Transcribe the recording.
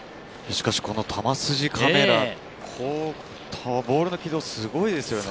球筋カメラ、ボールの軌道がすごいですよね。